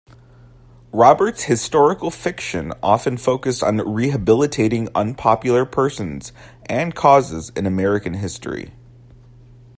Roberts' historical fiction often focused on rehabilitating unpopular persons and causes in American history.